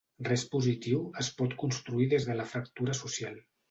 Res positiu es pot construir des de la fractura social.